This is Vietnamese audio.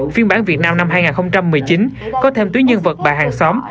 phiên bản việt nam năm hai nghìn một mươi chín có thêm tuyến nhân vật bà hàng xóm